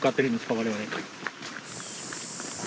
我々。